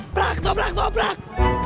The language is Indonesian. brak toh brak toh brak